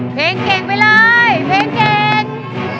เพลงเก่งไปเลยเพลงเก่ง